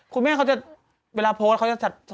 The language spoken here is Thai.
คุณแม่เขาจะเวลาโพสต์เขาจะ